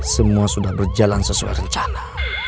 semua sudah berjalan sesuai rencana